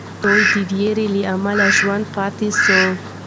دوی د ویرې له امله ژوندي پاتې سوي.